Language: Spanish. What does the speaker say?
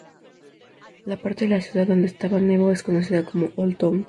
La parte de la ciudad donde estaba Nebo es conocida como "Old Town".